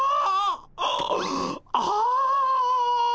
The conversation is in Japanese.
ああ。